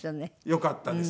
よかったです